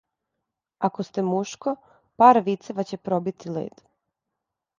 Ако сте мушко, пар вицева ће пробити лед.